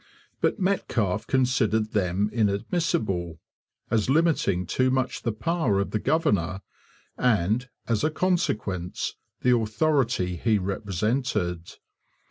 But Metcalfe considered them inadmissible, as limiting too much the power of the governor, and, as a consequence, the authority he represented.